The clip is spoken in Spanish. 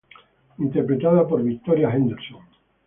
Interpretada por Victoria Henderson.